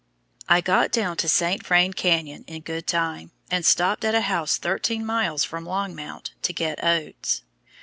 I got down to the St. Vrain Canyon in good time, and stopped at a house thirteen miles from Longmount to get oats.